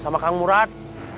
sama kang murad